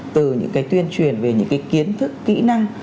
từ những cái tuyên truyền về những cái kiến thức kỹ năng